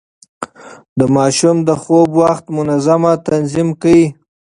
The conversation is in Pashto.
د ماشوم د خوب وخت منظم تنظيم کړئ.